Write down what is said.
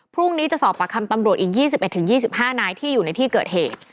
พรุ่งนี้จะสอบประคำตำรวจอีก๒๑๒๕นายที่อยู่ในที่เกิดเหตุ